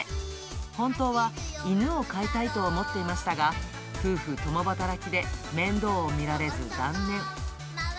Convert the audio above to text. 本当は犬を飼いたいと思っていましたが、夫婦共働きで、面倒を見られず断念。